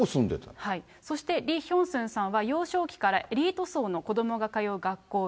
そしてリ・ヒョンスンさんは、幼少期からエリート層の子どもが通う学校へ。